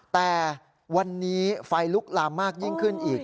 แต่วันนี้ไฟลุกลามมากยิ่งขึ้นอีก